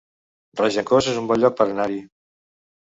Regencós es un bon lloc per anar-hi